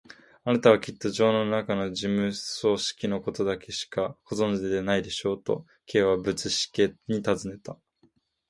「あなたはきっと城のなかの事務組織のことだけしかご存じでないのでしょう？」と、Ｋ はぶしつけにたずねた。